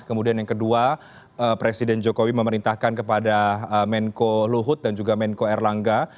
kemudian yang kedua presiden jokowi memerintahkan kepada menko luhut dan juga menko erlangga